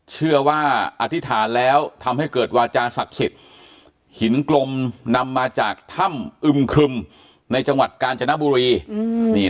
เชื่อว่าอธิษฐานแล้วทำให้เกิดวาจาศักดิ์สิทธิ์หินกลมนำมาจากถ้ำอึมครึมในจังหวัดกาญจนบุรี